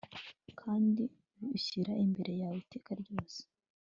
kandi unshyira imbere yawe iteka ryose